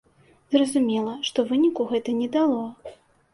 Зразумела, што выніку гэта не дало.